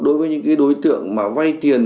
đối với những đối tượng mà vay tiền